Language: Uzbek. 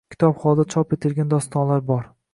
Kitob holida chop etilgan dostonlar bor.